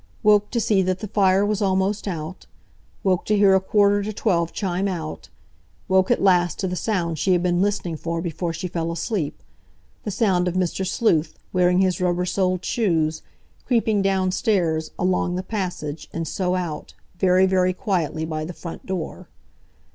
Woke to see that the fire was almost out—woke to hear a quarter to twelve chime out—woke at last to the sound she had been listening for before she fell asleep—the sound of Mr. Sleuth, wearing his rubber soled shoes, creeping downstairs, along the passage, and so out, very, very quietly by the front door.